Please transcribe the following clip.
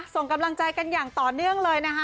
ส่งกำลังใจกันอย่างต่อเนื่องเลยนะคะ